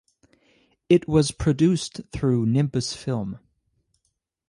It was produced through Nimbus Film.